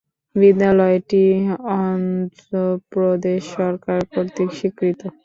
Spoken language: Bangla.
বিদ্যালয়টি অন্ধ্রপ্রদেশ সরকার কর্তৃক স্বীকৃত।